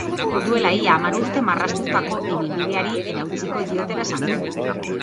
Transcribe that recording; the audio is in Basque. Duela ia hamar urte marraztutako ibilbideari eutsiko diotela esan du.